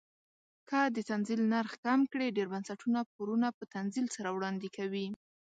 که د تنزیل نرخ کم کړي ډیر بنسټونه پورونه په تنزیل سره وړاندې کوي.